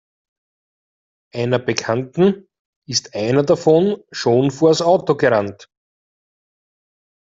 Einer Bekannten ist einer davon schon vors Auto gerannt.